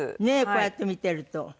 ねえこうやって見てると。